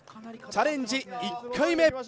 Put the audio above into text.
チャレンジ１回目。